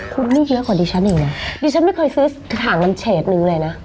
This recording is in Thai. คุณไม่เยอะกว่าดิฉันอีกนะดิฉันไม่เคยซื้อถ่างมันเฉดนึงเลยนะ